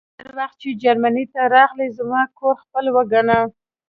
هر وخت چې جرمني ته راغلې زما کور خپل وګڼه